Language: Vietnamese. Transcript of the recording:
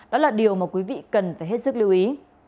đó là điều mà quý vị cần phải hết sức lưu ý